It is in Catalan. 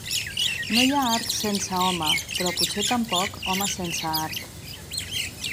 No hi ha art sense home, però potser tampoc home sense art.